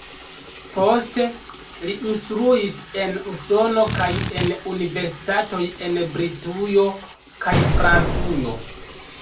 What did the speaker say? Poste li instruis en Usono kaj en universitatoj en Britujo kaj Francujo.